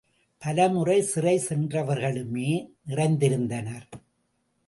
பலமுறை சிறை சென்றவர்களுமே நிறைந்திருந்தனர்.